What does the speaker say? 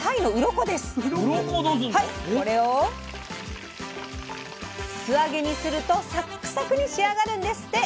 これを素揚げにするとサックサクに仕上がるんですって！